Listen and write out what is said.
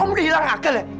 om udah hilang akal ya